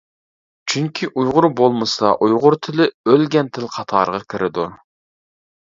چۈنكى ئۇيغۇر بولمىسا ئۇيغۇر تىلى ئۆلگەن تىل قاتارىغا كىرىدۇ.